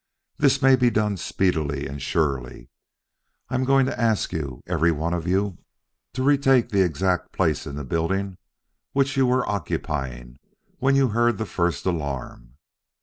That this may be done speedily and surely, I am going to ask you, every one of you, to retake the exact place in the building which you were occupying when you heard the first alarm.